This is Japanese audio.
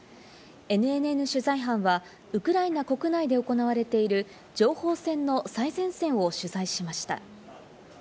ＮＮＮ取材班はウクライナ国内で行われている、情報戦の最前線を取材しました。